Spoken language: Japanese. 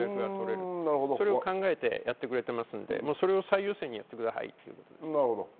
それを考えてやってくれていますので、それを最優先してやってくださいと言っています。